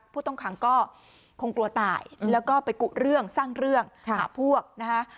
ผู้ต้องขังก็คงกลัวตายแล้วก็ไปกุเรื่องสร้างเรื่องหาพวกนะคะ